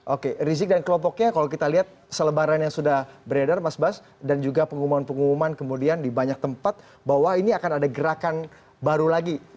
oke rizik dan kelompoknya kalau kita lihat selebaran yang sudah beredar mas bas dan juga pengumuman pengumuman kemudian di banyak tempat bahwa ini akan ada gerakan baru lagi